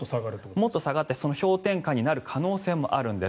もっと下がって氷点下になる可能性もあるんです。